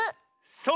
そう。